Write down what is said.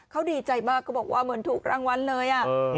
เขาดีใจมากเขาบอกว่าเหมือนถูกรางวัลเลย